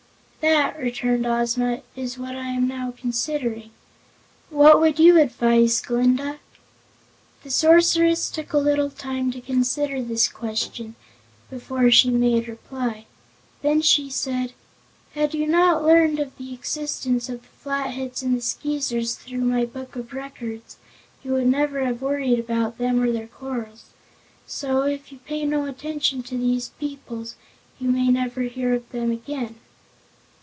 "That," returned Ozma, "is what I am now considering. What would you advise, Glinda?" The Sorceress took a little time to consider this question, before she made reply. Then she said: "Had you not learned of the existence of the Flatheads and the Skeezers, through my Book of Records, you would never have worried about them or their quarrels. So, if you pay no attention to these peoples, you may never hear of them again."